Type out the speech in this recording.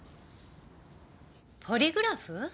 ポリグラフ？